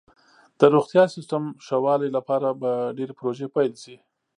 د روغتیا سیستم ښه والي لپاره به ډیرې پروژې پیل شي.